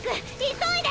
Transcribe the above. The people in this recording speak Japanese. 急いで！